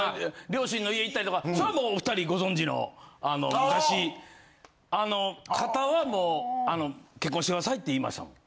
両親の家行ったりとかそれはもうお２人ご存じの昔あの方はもう「結婚してください」って言いましたもん。